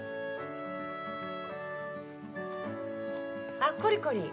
あっコリコリ！